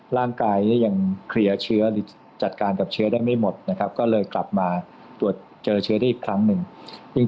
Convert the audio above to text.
ร่างกายนี่ยังเคลียร์เชื้อหรือจัดการกับเชื้อได้ไม่หมดนะครับก็เลยกลับมาตรวจเจอเชื้อได้อีกครั้งหนึ่ง